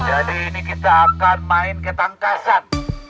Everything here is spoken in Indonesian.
jadi ini kita akan main ketangkasan